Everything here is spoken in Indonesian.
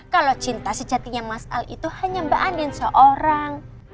kalau cinta sejatinya mas'al itu hanya mbak andin seorang